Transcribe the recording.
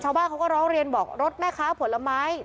ชาวบ้านเขาก็ร้องเรียนบอกรถแม่ค้าผลไม้